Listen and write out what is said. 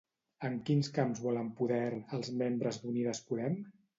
En quins camps volen poder els membres d'Unides Podem?